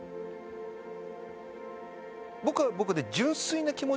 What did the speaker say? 僕は僕で。